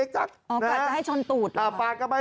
จะให้ช้อนตูดรึเปล่า